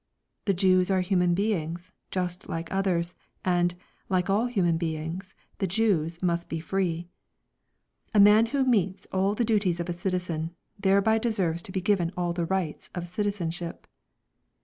"The Jews are human beings, just like others, and, like all human beings, the Jews must be free. "A man who meets all the duties of a citizen, thereby deserves to be given all the rights of citizenship.